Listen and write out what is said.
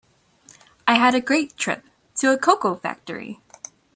I had a great trip to a cocoa factory.